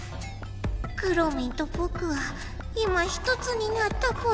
くろミンとぼくは今ひとつになったぽよ。